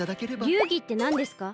りゅうぎってなんですか？